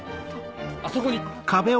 あそこに！